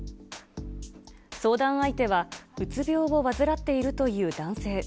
相談相手は、うつ病を患っているという男性。